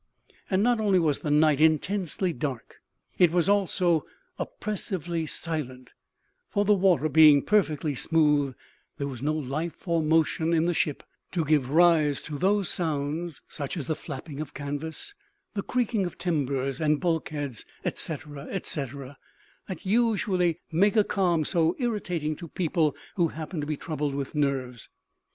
And not only was the night intensely dark; it was also oppressively silent; for, the water being perfectly smooth, there was no life or motion in the ship to give rise to those sounds such as the flapping of canvas, the creaking of timbers and bulkheads, etcetera, etcetera that usually make a calm so irritating to people who happen to be troubled with nerves.